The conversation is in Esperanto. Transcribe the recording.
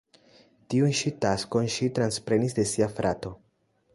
Tiun ĉi taskon ŝi transprenis de sia frato.